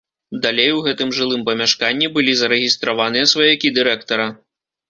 Далей у гэтым жылым памяшканні былі зарэгістраваныя сваякі дырэктара.